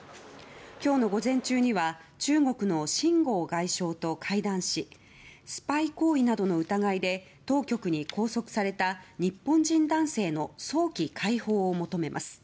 今日の午前中には中国のシン・ゴウ外相と会談しスパイ行為などの疑いで当局に拘束された日本人男性の早期解放を求めます。